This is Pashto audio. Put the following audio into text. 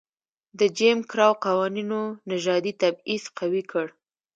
د جېم کراو قوانینو نژادي تبعیض قوي کړ.